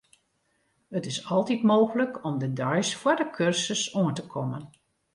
It is altyd mooglik om de deis foar de kursus oan te kommen.